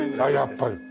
やっぱり。